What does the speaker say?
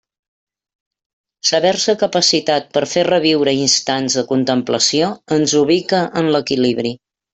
Saber-se capacitat per a fer reviure instants de contemplació ens ubica en l'equilibri.